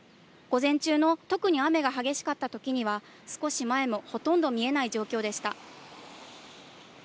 午前中の特に雨が激しかったときには、少し前もほとんど見えない状況でした。